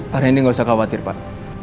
pak randy gak usah khawatir pak